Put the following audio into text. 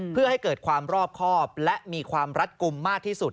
เพื่อให้เกิดความรอบครอบและมีความรัดกลุ่มมากที่สุด